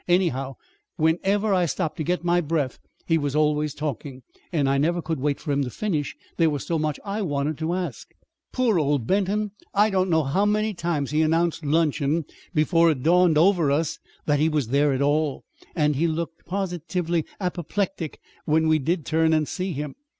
Anyhow, whenever I stopped to get my breath he was always talking; and I never could wait for him to finish, there was so much I wanted to ask. "Poor old Benton! I don't know how many times he announced luncheon before it dawned over us that he was there at all; and he looked positively apoplectic when we did turn and see him.